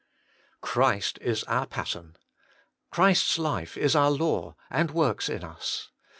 Christ is our pattern. Christ's life is our law and works in us.